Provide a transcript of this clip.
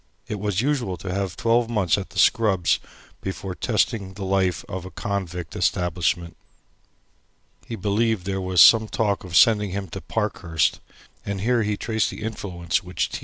It was usual to have twelve months at the Scrubbs before testing the life of a convict establishment. He believed there was some talk of sending him to Parkhurst, and here he traced the influence which T.